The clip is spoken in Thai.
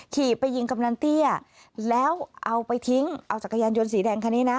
ขี่ไปยิงกำนันเตี้ยแล้วเอาไปทิ้งเอาจักรยานยนต์สีแดงคันนี้นะ